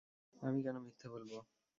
আমি কেন মিথ্যে বলব?